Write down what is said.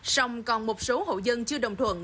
song còn một số hộ dân chưa đồng thuận